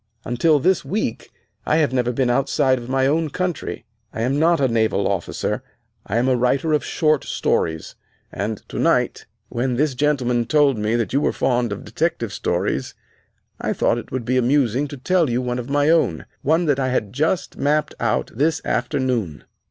Until this week, I have never been outside of my own country. I am not a naval officer. I am a writer of short stories. And tonight, when this gentleman told me that you were fond of detective stories, I thought it would be amusing to tell you one of my own one I had just mapped out this afternoon."